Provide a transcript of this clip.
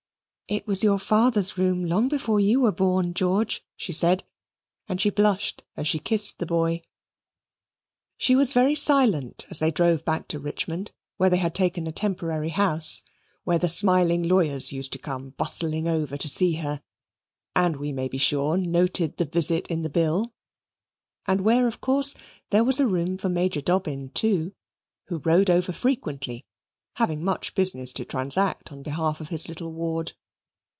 "It was your father's room long before you were born, George," she said, and she blushed as she kissed the boy. She was very silent as they drove back to Richmond, where they had taken a temporary house: where the smiling lawyers used to come bustling over to see her (and we may be sure noted the visit in the bill): and where of course there was a room for Major Dobbin too, who rode over frequently, having much business to transact on behalf of his little ward.